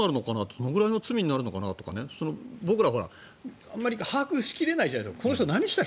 どれくらいの罪になるのかなとか僕ら、あんまり把握しきれないじゃないですか。